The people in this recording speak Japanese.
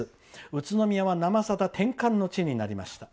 宇都宮は「生さだ」転換の地になりました。